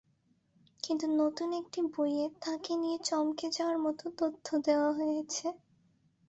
কিন্তু নতুন একটি বইয়ে তাঁকে নিয়ে চমকে যাওয়ার মতো তথ্য দেওয়া হয়েছে।